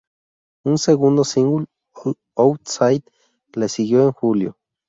Un segundo single, "Out-Side", le siguió en julio.